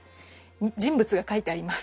「人物が描いてあります」